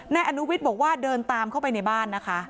นายอนุวิทย์บอกว่าเดินตามเข้าไปในบ้านนะคะ